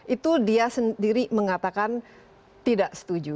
itu dia sendiri mengatakan tidak setuju